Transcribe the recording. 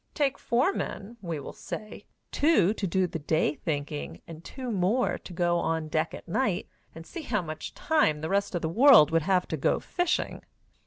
Take four men, we will say, two to do the day thinking and two more to go on deck at night, and see how much time the rest of the world would have to go fishing.